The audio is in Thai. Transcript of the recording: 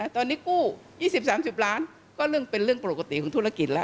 ตอนนี้กู้๒๐๓๐ล้านก็เรื่องเป็นเรื่องปกติของธุรกิจแล้ว